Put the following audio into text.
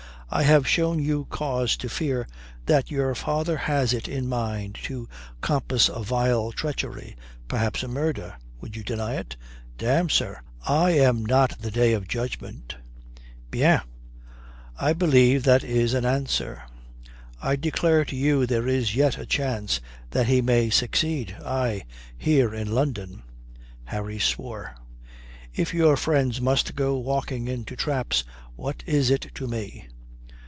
I have shown you cause to fear that your father has it in mind to compass a vile treachery, perhaps a murder. Would you deny it?" "Damme, sir, I am not the day of judgment." "Bien. I believe that is an answer. I declare to you there is yet a chance that he may succeed, aye, here in London." Harry swore. "If your friends must go walking into traps what is it to me?"